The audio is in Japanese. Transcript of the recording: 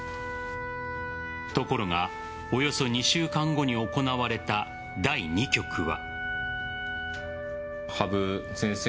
ところがおよそ２週間後に行われた第２局は。